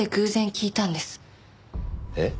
えっ？